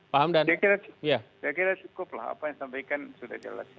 saya kira cukup lah apa yang disampaikan sudah jelas